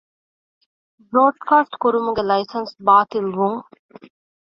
ބްރޯޑްކާސްޓްކުރުމުގެ ލައިސަންސް ބާޠިލްވުން